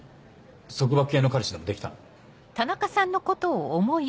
束縛系の彼氏でもできたの？